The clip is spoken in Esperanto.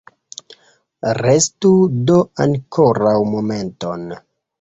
Restu do ankoraŭ momenton!